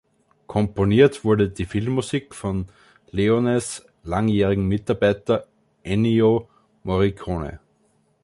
Komponiert wurde die Filmmusik von Leones langjährigem Mitarbeiter Ennio Morricone.